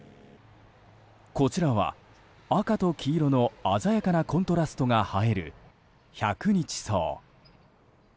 こちらは赤と黄色の鮮やかなコントラストが映えるヒャクニチソウ。